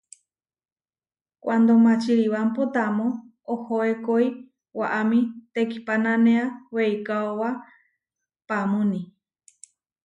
Kuando Mačiribámpo tamó ohóekoi, waʼámi tekihpánanea weikáoba paamúni.